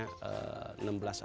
ketua tua kota yang kita miliki